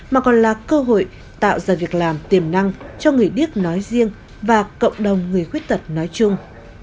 mà còn là cơ hội tạo ra việc làm tiềm năng cho người điếc nói riêng và cộng đồng người khuyết tật nói chung